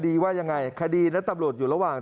ดีว่ายังไงคดีนั้นตำรวจอยู่ระหว่าง